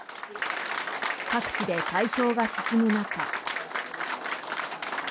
各地で開票が進む中。